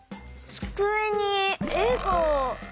つくえにえが。